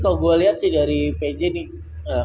kalau gue lihat sih dari pj nih